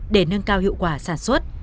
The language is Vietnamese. để nâng cao hiệu quả sản xuất